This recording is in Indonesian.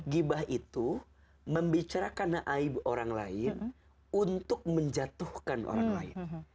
gibah itu membicarakan naib orang lain untuk menjatuhkan orang lain